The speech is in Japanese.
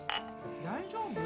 大丈夫？